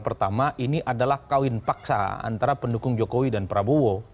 pertama ini adalah kawin paksa antara pendukung jokowi dan prabowo